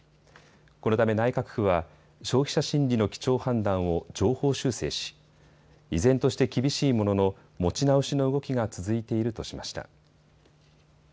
このため内閣府は消費者心理の基調判断を上方修正し、依然として厳しいものの持ち直しの動きが続いているとしました。